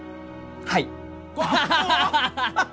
はい。